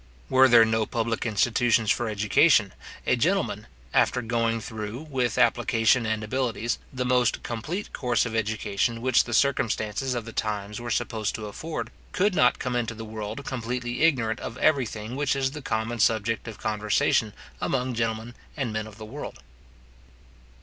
Were there no public institutions for education, a gentleman, after going through, with application and abilities, the most complete course of education which the circumstances of the times were supposed to afford, could not come into the world completely ignorant of everything which is the common subject of conversation among gentlemen and men of the world.